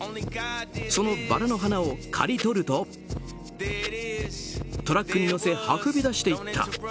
そのバラの花を刈り取るとトラックに載せ運び出していった。